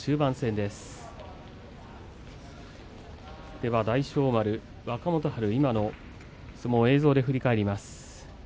では大翔丸、若元春今の相撲を映像で振り返ります。